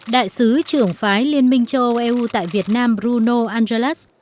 đại sứ trưởng phái liên minh châu âu eu tại việt nam bruno angelas